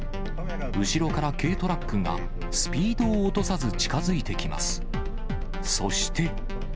後ろから軽トラックがスピードを落とさず近づいてきます。